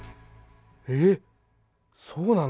えっそうなの！？